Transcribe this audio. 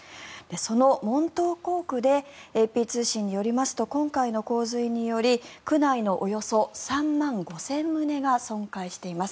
その門頭溝区でＡＰ通信によりますと今回の洪水により区内のおよそ３万５０００棟が損壊しています。